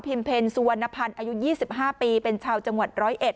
พิมเพ็ญสุวรรณภัณฑ์อายุ๒๕ปีเป็นชาวจังหวัด๑๐๑